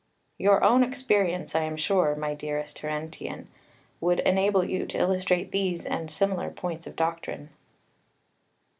Your own experience, I am sure, my dearest Terentian, would enable you to illustrate these and similar points of doctrine.